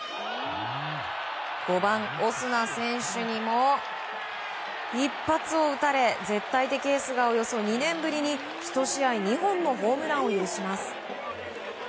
５番、オスナ選手にも一発を打たれ絶対的エースがおよそ２年ぶりに１試合２本のホームランを許します。